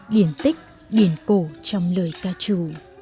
điển tích điển cổ trong lời ca trù